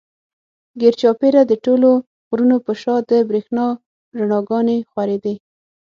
ګېر چاپېره د ټولو غرونو پۀ شا د برېښنا رڼاګانې خورېدې